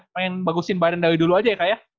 pengen bagusin badan dari dulu aja ya kak ya